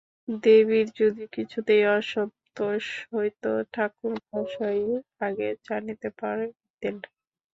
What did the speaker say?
দেবীর যদি কিছুতে অসন্তোষ হইত ঠাকুর মহাশয়ই আগে জানিতে পাইতেন।